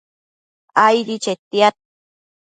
aidi chetiad